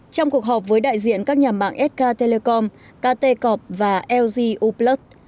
trong cuộc họp với đại diện các nhà mạng sk telecom kt corp và lg uplus